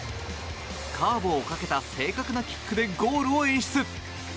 カーブをかけた正確なキックでゴールを演出。